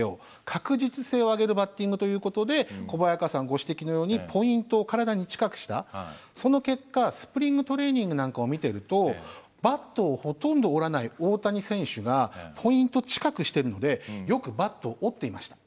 確実性を上げるバッティングということで小早川さんご指摘のようにポイントを体に近くしたその結果スプリングトレーニングなんかを見てるとバットをほとんど折らない大谷選手がポイント近くしてるのでよくバットを折っていました。